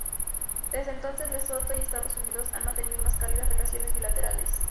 Desde entonces, Lesoto y Estados Unidos han mantenido unas cálidas relaciones bilaterales.